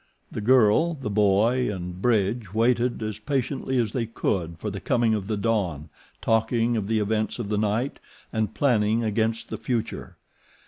The girl, the boy, and Bridge waited as patiently as they could for the coming of the dawn, talking of the events of the night and planning against the future.